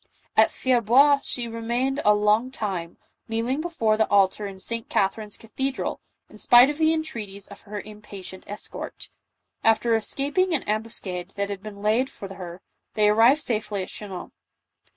At Fierbois she remained a long time, kneeling before the altar in St. Catherine's cathe dral, in spite of the entreaties of her impatient escort. After escaping an ambuscade that had been laid for her, they arrived safely at Chinon.